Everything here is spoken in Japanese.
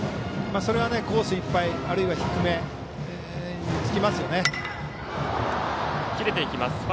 それはコースいっぱいあるいは低めにつきますよね。